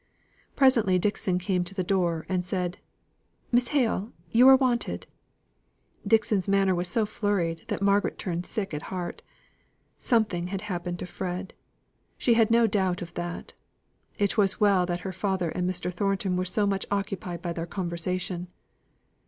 Presently Dixon came to the door and said, "Miss Hale, you are wanted." Dixon's manner was so flurried that Margaret turned sick at heart. Something had happened to Fred. She had no doubt of that. It was well that her father and Mr. Thornton were so much occupied by their conversation.